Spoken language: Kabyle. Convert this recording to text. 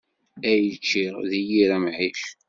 Ay ččiɣ deg yir amɛic.